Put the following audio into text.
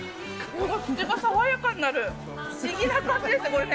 口がさわやかになる、不思議な感じですね、これね。